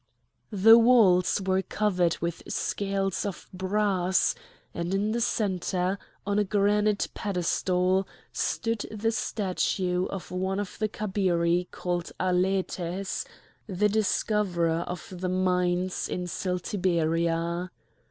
The walls were covered with scales of brass; and in the centre, on a granite pedestal, stood the statue of one of the Kabiri called Aletes, the discoverer of the mines in Celtiberia.